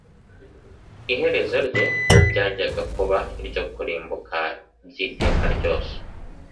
iherezo rye ryajyaga kuba iryo kurimbuka by'iteka ryose.